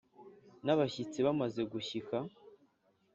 n’abashyitsi bamaze gushyika